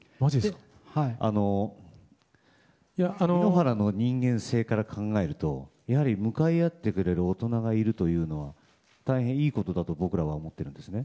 井ノ原の人間性から考えるとやはり向かい合ってくれる大人がいるというのは大変いいことだと僕らは思っているんですね。